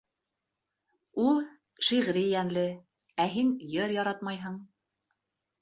Ул шиғри йәнле, ә һин йыр яратмайһың.